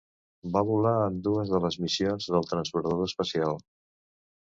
Va volar en dues de les missions del transbordador espacial.